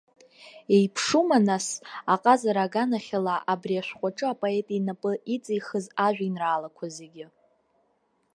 Еиԥшума, нас, аҟазара аганахь ала абри ашәҟәаҿы апоет инапы иҵихыз ажәеинраалақәа зегьы?